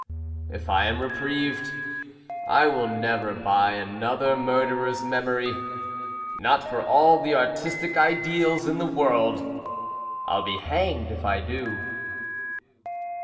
If I am reprieved, I will never buy another murderer's memory, not for all the artistic ideals in the world, I'll be hanged if I do.